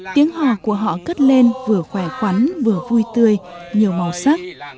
tiếng hò của họ cất lên vừa khỏe khoắn vừa vui tươi nhiều màu sắc